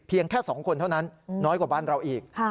แค่๒คนเท่านั้นน้อยกว่าบ้านเราอีก